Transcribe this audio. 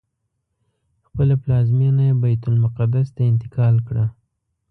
خپله پلازمینه یې بیت المقدس ته انتقال کړه.